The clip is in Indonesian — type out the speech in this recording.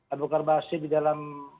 abu bakar basir di dalam